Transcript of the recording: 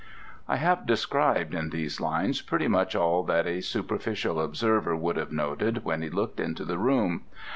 I have described in these lines pretty much all that a superficial observer would have noted when he looked into the room.